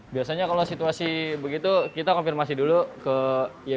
biasanya kalau situasi ini kalau kita ngirim ke daerah kuningan kita bisa ngirim ke daerah kuningan